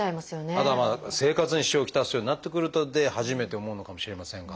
あとはまあ生活に支障を来すようになってくると初めて思うのかもしれませんが。